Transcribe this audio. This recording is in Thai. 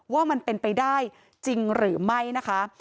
ว่ามันเป็นไปได้จริงหรือไม่นะคะ